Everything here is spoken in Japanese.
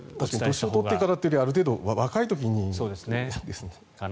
年取ってからというよりある程度、若い時に。